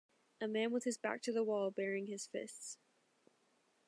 A man with his back to the wall baring his fists.